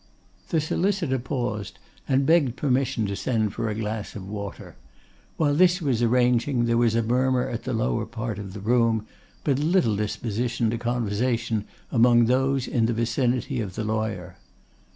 The solicitor paused and begged permission to send for a glass of water. While this was arranging there was a murmur at the lower part of the room, but little disposition to conversation among those in the vicinity of the lawyer.